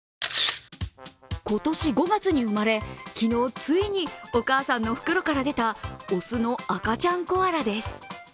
今年５月に生まれ、昨日、ついにお母さんの袋から出た雄の赤ちゃんコアラです。